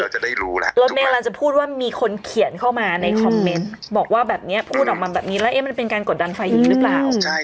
ใช่โรเมลันจะพูดว่ามีคนเขียนเข้ามาในคอมเม้นท์บอกว่าแบบนี้พูดออกมาแบบนี้แล้วมันเป็นการกดดันไฟหญิงหรือเปล่า